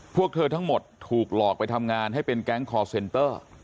พวกเธอทั้งหมดถูกหลอกไปทำงานให้เป็นแก๊งคอร์เซนเตอร์